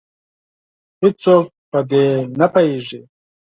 هیڅوک په دې نه پوهیږې